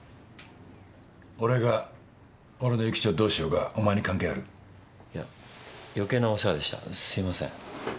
俺が俺の諭吉をどうしようがお前に関係ある？いや余計なお世話でしたすいません。